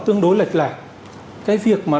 tương đối lệch lạc cái việc mà